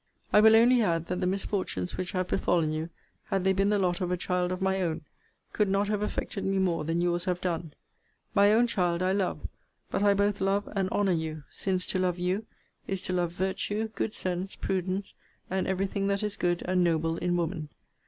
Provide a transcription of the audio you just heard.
I will only add that the misfortunes which have befallen you, had they been the lot of a child of my own, could not have affected me more than your's have done. My own child I love: but I both love and honour you: since to love you, is to love virtue, good sense, prudence, and every thing that is good and noble in woman.